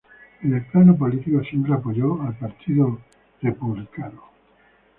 En el plano político siempre apoyó al Partido Republicano.